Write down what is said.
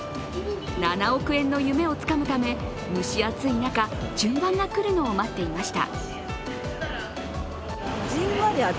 ７億円の夢をつかむため蒸し暑い中、順番が来るのを待っていました。